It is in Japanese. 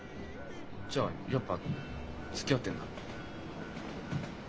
じゃあやっぱつきあってんだ？